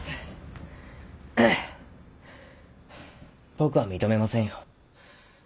僕は認めませんよ。